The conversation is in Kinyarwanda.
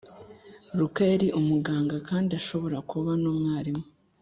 luka yari umuganga kandi ashobora kuba nu mwarimu